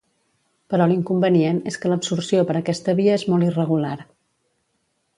Però l'inconvenient és que l'absorció per aquesta via és molt irregular.